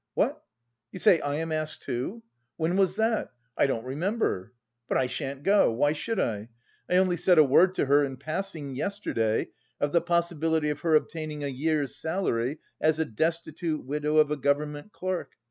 "What? You say I am asked too? When was that? I don't remember. But I shan't go. Why should I? I only said a word to her in passing yesterday of the possibility of her obtaining a year's salary as a destitute widow of a government clerk.